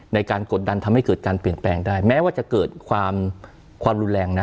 กดดันทำให้เกิดการเปลี่ยนแปลงได้แม้ว่าจะเกิดความความรุนแรงนะ